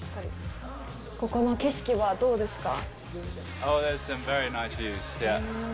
ここの景色はどうですか。